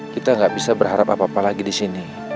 kita nggak bisa berharap apa apa lagi di sini